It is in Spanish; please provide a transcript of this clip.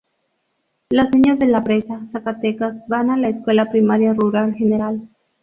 Los niños de La Presa, Zacatecas van a la escuela primaria rural Gral.